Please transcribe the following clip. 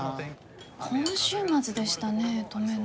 今週末でしたね登米能。